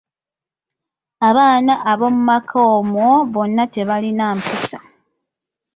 Abaana abomu maka omwo bonna tebalina mpisa.